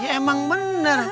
ya emang bener